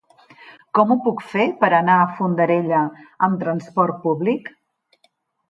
Com ho puc fer per anar a Fondarella amb trasport públic?